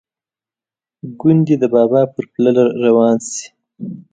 ګوندې د بابا پر پله روان شي.